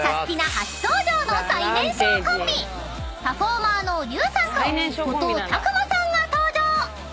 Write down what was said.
初登場の最年少コンビパフォーマーの龍さんと後藤拓磨さんが登場！］